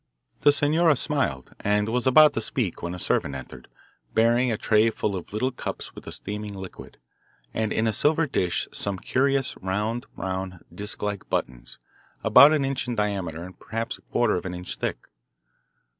The senora smiled, and was about to speak when a servant entered, bearing a tray full of little cups with a steaming liquid, and in a silver dish some curious, round, brown, disc like buttons, about an inch in diameter and perhaps a quarter of an inch thick.